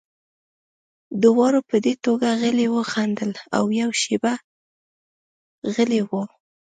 دواړو په دې ټوکه غلي وخندل او یوه شېبه غلي وو